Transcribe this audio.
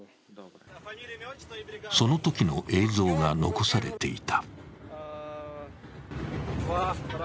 そのときの映像が残されていた。